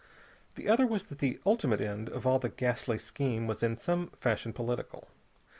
The other was that the ultimate end of all the ghastly scheme was in some fashion political.